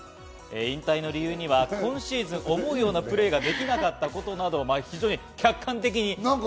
引退の理由には今シーズン思うようなプレーができなかったことなどを非常に客観的に。